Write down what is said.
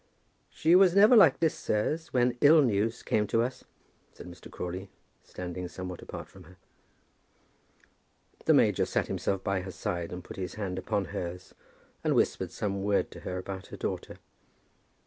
"She was never like this, sirs, when ill news came to us," said Mr. Crawley, standing somewhat apart from her. The major sat himself by her side, and put his hand upon hers, and whispered some word to her about her daughter.